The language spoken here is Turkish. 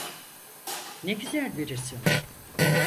Ne güzel bir isim.